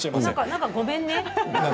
なんか、ごめんね。